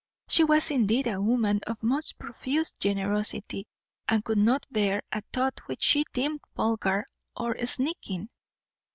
She was indeed a woman of most profuse generosity, and could not bear a thought which she deemed vulgar or sneaking.